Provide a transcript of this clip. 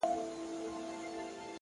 چي په كالو بانـدې زريـــن نه ســـمــه،